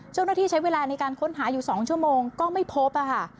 เจ้าหน้าที่ใช้เวลาในการค้นหาอยู่๒ชั่วโมงก็ไม่พบค่ะ